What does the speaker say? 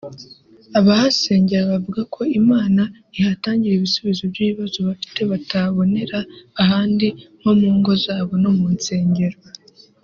Abahasengera bavuga ko Imana ihatangira ibisubizo by’ibibazo bafite batabonera ahandi nko mu ngo zabo no mu nsengero